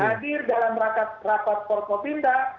hadir dalam rapat korpopinda